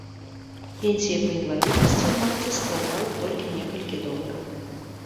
Пенсія па інваліднасці ў маці складала толькі некалькі долараў.